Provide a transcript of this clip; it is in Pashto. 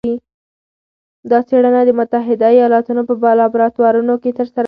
دا څېړنه د متحده ایالتونو په لابراتورونو کې ترسره شوه.